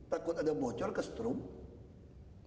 takut ada bocor ke stroke